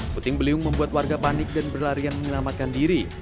puting beliung membuat warga panik dan berlarian menyelamatkan diri